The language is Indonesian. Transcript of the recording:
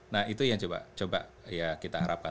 nah itu yang coba ya kita harapkan